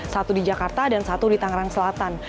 satu di jakarta dan satu di tangerang selatan